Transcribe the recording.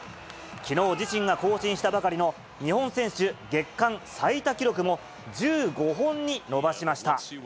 きのう、自身が更新したばかりの日本選手・月間最多記録も１５本に伸ばしました。